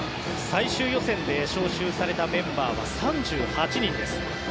最終予選で招集されたメンバーは３８人です。